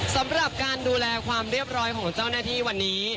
สำหรับการดูแลความเรียบร้อยของเจ้าหน้าที่วันนี้